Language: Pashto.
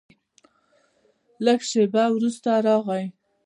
لږ شېبه وروسته راغی.